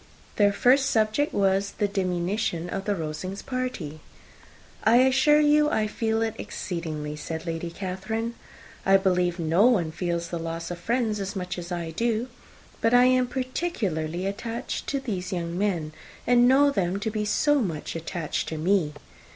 Their first subject was the diminution of the Rosings' party. "I assure you, I feel it exceedingly," said Lady Catherine; "I believe nobody feels the loss of friends so much as I do. But I am particularly attached to these young men; and know them to be so much attached to me!